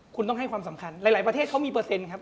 คุณต้องให้ความสำคัญหลายประเทศเขามีเปอร์เซ็นต์ครับ